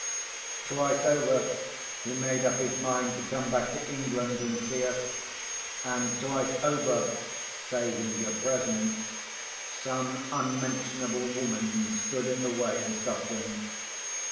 Twice over, he made up his mind to come back to England and see us; and twice over (saving your presence), some unmentionable woman stood in the way and stopped him.